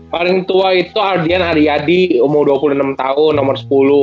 paling tua itu ardian haryadi umur dua puluh enam tahun nomor sepuluh